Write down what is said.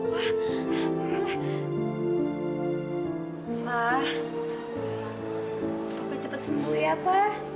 ma papa cepet sembuh ya pa